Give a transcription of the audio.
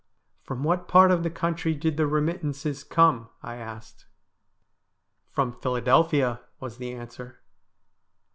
' From what part of the country did the remittances come ?' I asked. ' From Philadelphia,' was the answer.